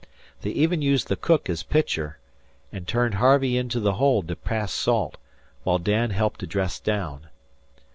They even used the cook as pitcher, and turned Harvey into the hold to pass salt, while Dan helped to dress down.